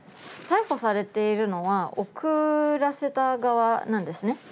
逮捕されているのは送らせた側なんですね。